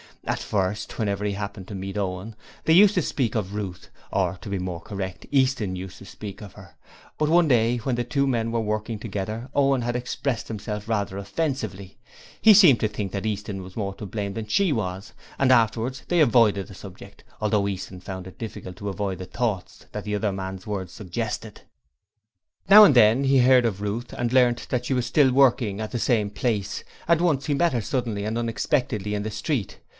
At first, whenever he happened to meet Owen, they used to speak of Ruth, or to be more correct, Easton used to speak of her; but one day when the two men were working together Owen had expressed himself rather offensively. He seemed to think that Easton was more to blame than she was; and afterwards they avoided the subject, although Easton found it difficult to avoid the thoughts the other man's words suggested. Now and then he heard of Ruth and learnt that she was still working at the same place; and once he met her suddenly and unexpectedly in the street.